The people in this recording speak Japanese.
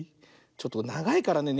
ちょっとながいからね